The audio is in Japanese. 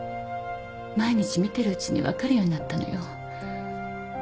毎日見てるうちに分かるようになったのよ。